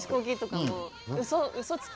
「うそつき」？